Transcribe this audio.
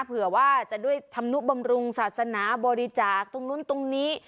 เผื่อว่าจะด้วยธรรมนุบำรุงศาสนาบริจาคตรงนู้นตรงนี้